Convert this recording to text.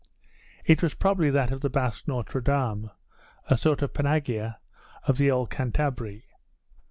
It was probably that of the Basque Notre Dame, a sort of Panagia of the old Cantabri.